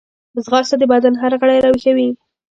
ځغاسته د بدن هر غړی راویښوي